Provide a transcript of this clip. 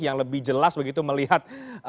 yang lebih jelas begitu melihat